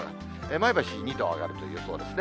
前橋２度上がるという予想ですね。